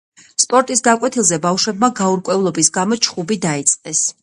სპორტის გაკვეთილზე ბავშვებმა გაურკვევლობის გამო ჩხუბი დაიწყეს